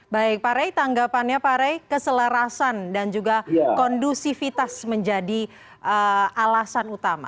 baik pak rey tanggapannya pak rey keselarasan dan juga kondusivitas menjadi alasan utama